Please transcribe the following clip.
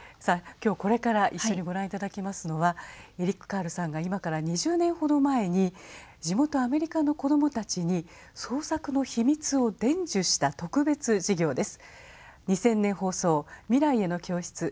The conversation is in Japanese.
今日これから一緒にご覧頂きますのはエリック・カールさんが今から２０年ほど前に地元アメリカの子どもたちに創作の秘密を伝授した特別授業です。